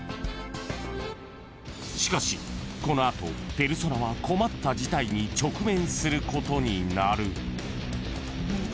［しかしこの後ペルソナは困った事態に直面することになる］